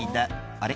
「あれ？